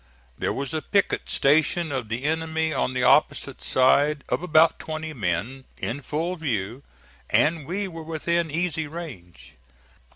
There was a picket station of the enemy on the opposite side, of about twenty men, in full view, and we were within easy range.